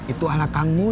itu anak kamu